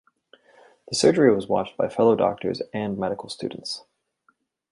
The surgery was watched by fellow doctors and medical students.